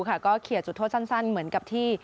ก็เขียนจุดโทษสั้นเหมือนกับที่